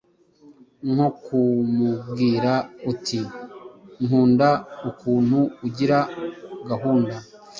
nko kumubwira uti nkunda ukuntu ugira gahunda,